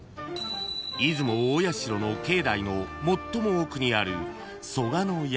［出雲大社の境内の最も奥にある］